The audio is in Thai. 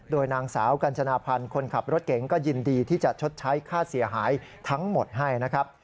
โดยนางสาวกัญจนาพันธ์คนขับรถเก๋งก็ยินดีที่จะชดใช้ค่าเสียหายทั้งหมดให้นะครับ